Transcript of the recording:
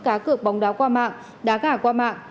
cá cược bóng đáo qua mạng đá gà qua mạng